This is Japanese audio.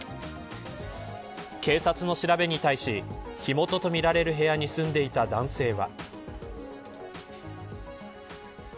警察の調べに対し火元とみられる部屋に住んでいた男性は。